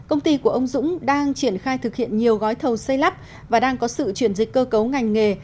ông dũng đang triển khai thực hiện nhiều gói thầu xây lắp và đang có sự chuyển dịch cơ cấu ngành nghề